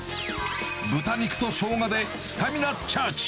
豚肉とショウガでスタミナチャージ。